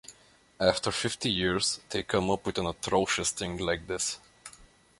After fifty years, they come up with an atrocious thing like this.